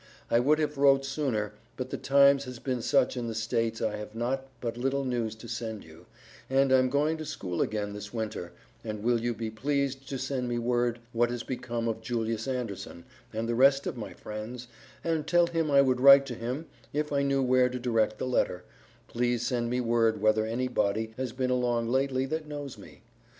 I would have wrote sooner, but the times has been such in the states I have not but little news to send you and I'm going to school again this winter and will you be pleased to send me word what has become of Julius Anderson and the rest of my friends and tell him I would write to him if I knew where to direct the letter, please send me word whether any body has been along lately that knows me.